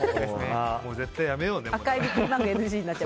絶対やめようね。